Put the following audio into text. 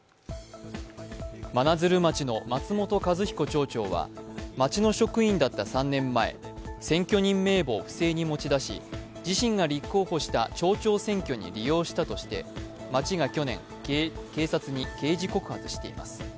真鶴町の松本一彦町長は町の職員だった３年前、選挙人名簿を不正に持ち出し自身が立候補した町長選挙に利用したとして、町が去年、警察に刑事告発しています。